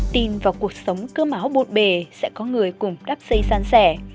tin vào cuộc sống cơ máu bột bề sẽ có người cùng đắp dây san sẻ